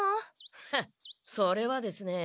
フッそれはですね